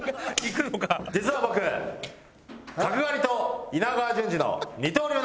実は僕角刈りと稲川淳二の二刀流なんです！